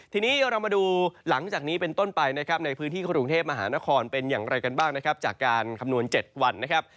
ทีนี้เรามาดูหลังจากนี้เป็นต้นไปนะครับในพื้นที่กรุงเทพมหานครเป็นอย่างไรกันบ้างนะครับจากการคำนวณ๗วันนะครับ